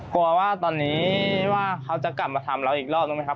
กลัวว่าตอนนี้ว่าเขาจะกลับมาทำเราอีกรอบนึงไหมครับ